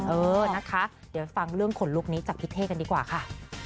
เออนะคะเดี๋ยวฟังเรื่องขนลุกนี้จากพี่เท่กันดีกว่าค่ะ